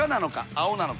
青なのか？